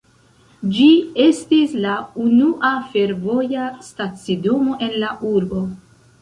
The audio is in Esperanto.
Ĝi estis la unua fervoja stacidomo en la urbo.